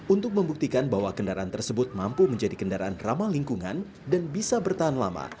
untuk membuktikan bahwa kendaraan tersebut mampu menjadi kendaraan ramah lingkungan dan bisa bertahan lama